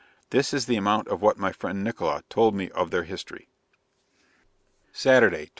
This is the amount of what my friend Nickola told me of their history. Saturday, 22d.